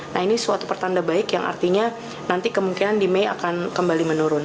nah ini suatu pertanda baik yang artinya nanti kemungkinan di mei akan kembali menurun